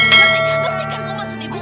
ngerti kan kamu maksud ibu